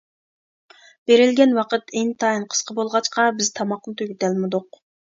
بېرىلگەن ۋاقىت ئىنتايىن قىسقا بولغاچقا بىز تاماقنى تۈگىتەلمىدۇق.